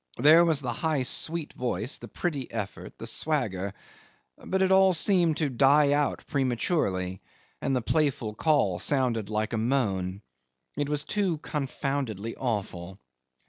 There was the high sweet voice, the pretty effort, the swagger; but it all seemed to die out prematurely, and the playful call sounded like a moan. It was too confoundedly awful.